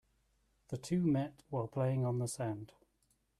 The two met while playing on the sand.